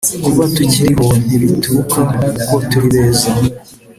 Kuba tukiriho ntibituruka kuko turi beza